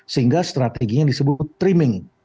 sehingga strateginya disebut trimming